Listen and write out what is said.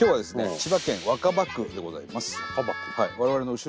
千葉県若葉区でございます。